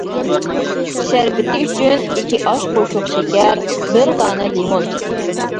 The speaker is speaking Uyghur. شەربىتى ئۈچۈن: ئىككى ئاش قوشۇق شېكەر، بىر دانە لىمون.